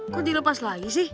kok dilepas lagi sih